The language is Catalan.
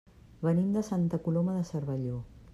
Venim de Santa Coloma de Cervelló.